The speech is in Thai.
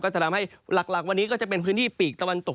จะทำให้หลักวันนี้ก็จะเป็นพื้นที่ปีกตะวันตก